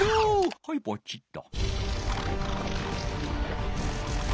はいポチッと。